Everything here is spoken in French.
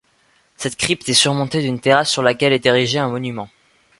Cette crypte est surmontée d'une terrasse sur laquelle est érigé un monument.